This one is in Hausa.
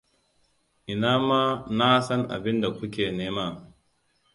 Ina ma na san abinda ku ke nema.